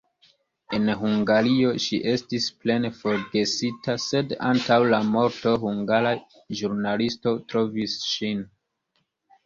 En Hungario ŝi estis plene forgesita, sed antaŭ la morto hungara ĵurnalisto trovis ŝin.